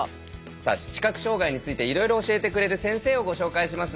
さあ「視覚障害」についていろいろ教えてくれる先生をご紹介します。